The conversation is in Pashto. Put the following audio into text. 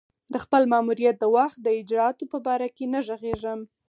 د خپل ماموریت د وخت د اجرآتو په باره کې نه ږغېږم.